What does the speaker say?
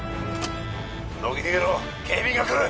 乃木逃げろ警備員が来る！